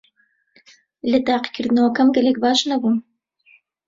لە تاقیکردنەوەکەم گەلێک باش نەبووم.